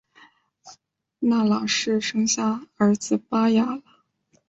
纳喇氏生下儿子巴雅喇。